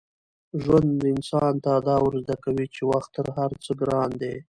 ژوند انسان ته دا ور زده کوي چي وخت تر هر څه ګران دی.